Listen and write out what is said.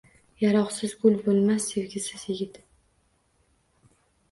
Yaproqsiz gul bo`lmas, sevgisiz yigit